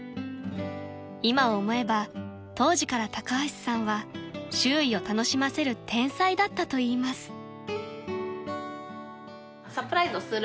［今思えば当時から高橋さんは周囲を楽しませる天才だったといいます］